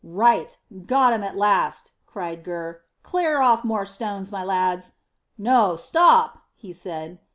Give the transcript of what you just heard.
"Right! Got 'em at last," cried Gurr. "Clear off more stones, my lads. No; stop!" he said.